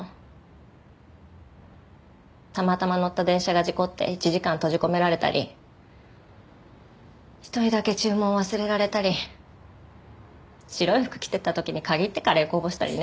たまたま乗った電車が事故って１時間閉じ込められたり１人だけ注文を忘れられたり白い服着てった時に限ってカレーこぼしたりね。